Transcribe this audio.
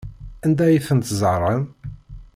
Anda ay ten-tzerɛem?